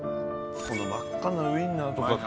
この真っ赤なウィンナーとか。